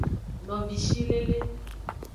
Novishilele.